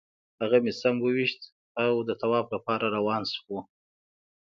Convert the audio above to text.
هغه مې سم وویشت او طواف لپاره روان شوو.